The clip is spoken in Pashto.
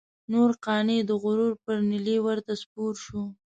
تور قانع د غرور پر نيلي ورته سپور شو.